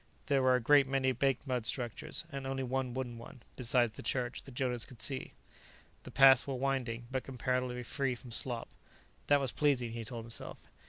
There were a great many baked mud structures, and only one wooden one, besides the church, that Jonas could see. The paths were winding, but comparatively free from slop. That was pleasing, he told himself.